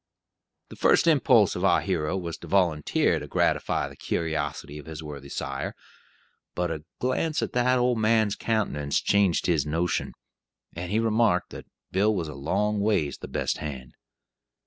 The first impulse of our hero was to volunteer to gratify the curiosity of his worthy sire, but a glance at the old man's countenance changed his "notion," and he remarked that "Bill was a long ways the best hand."